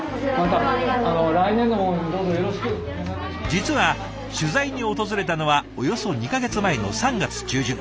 実は取材に訪れたのはおよそ２か月前の３月中旬。